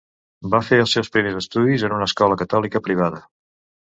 Va fer els seus primers estudis en una escola catòlica privada.